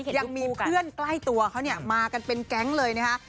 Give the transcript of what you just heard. ยังมีเพื่อนใกล้ตัวเขาเนี่ยมากันเป็นแก๊งเลยนะคะ